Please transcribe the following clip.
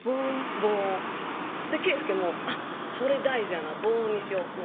防音圭祐も「あっそれ大事やな防音にしよう」